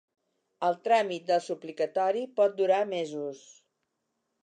El tràmit del suplicatori pot durar mesos.